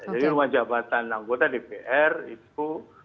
jadi rumah jabatan anggota dpr itu